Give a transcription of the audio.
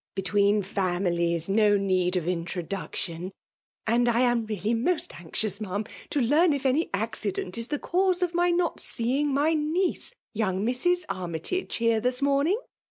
Between fami lies, no need of introduction ; and I am rcldfy FEMALE DOMINATION. 61 most anxiou8> Ma*am, to learn if any accident is the cause of my not seeing my niece, young Mrs. Armytage> here this morning?